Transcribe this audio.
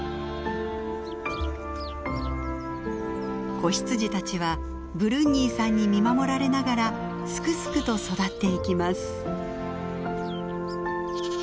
子羊たちはブルンニーさんに見守られながらすくすくと育っていきます。